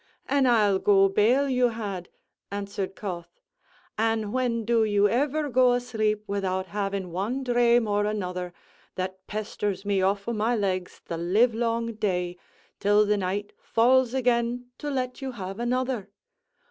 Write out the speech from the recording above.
"An' I'll go bail you had," answered Cauth, "an' when do you ever go asleep without having one dhrame or another, that pesters me off o' my legs the livelong day, till the night falls again to let you have another?